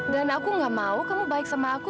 dan aku gak mau kamu baik sama aku